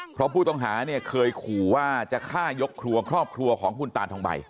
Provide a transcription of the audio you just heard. เพราะผู้ต้องหาเนี่ยเคยขู่ว่าจะฆ่ายกครัวครอบครัวของคุณตาทองใบ